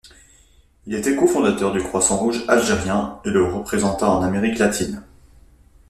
Il était co-fondateur du Croissant-Rouge algérien, et le représenta en Amérique Latine.